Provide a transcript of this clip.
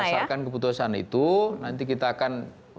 jadi berdasarkan keputusan itu nanti kita akan